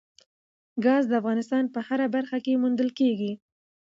ګاز د افغانستان په هره برخه کې موندل کېږي.